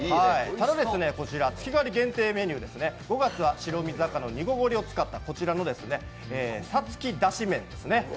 ただ、こちら月替わり限定メニュー５月は白身魚の煮こごりを使ったこちらの皐ｓａｔｓｕｋｉだし麺ですね。